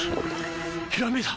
ひらめいた！